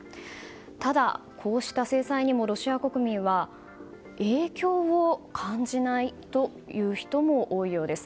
ただ、こうした制裁にもロシア国民は影響を感じないという人も多いようです。